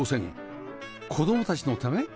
子供たちのため？